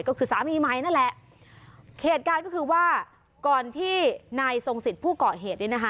ก็คือสามีใหม่นั่นแหละเหตุการณ์ก็คือว่าก่อนที่นายทรงสิทธิ์ผู้ก่อเหตุนี้นะคะ